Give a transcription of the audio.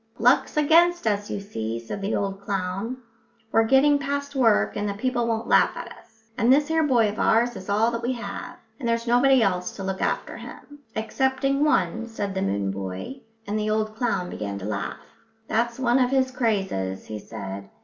"Luck's against us, you see," said the old clown. "We're getting past work, and the people won't laugh at us. And this here boy of ours is all that we have, and there's nobody else to look after him." "Excepting one," said the moon boy, and the old clown began to laugh. "That's one of his crazes," he said.